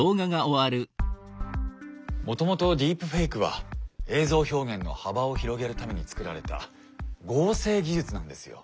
もともとディープフェイクは映像表現の幅を広げるためにつくられた合成技術なんですよ。